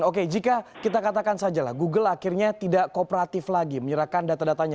oke jika kita katakan saja lah google akhirnya tidak kooperatif lagi menyerahkan data datanya